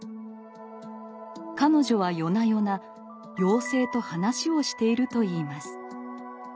彼女は夜な夜な「妖精」と話をしていると言います。